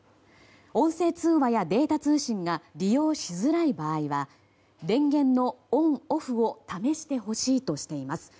音声通話やデータ通信が利用しづらい場合は電源のオンオフを試してほしいとしています。